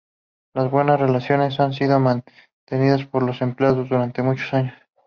Las buenas relaciones han sido mantenidas por los empleados durante muchos años.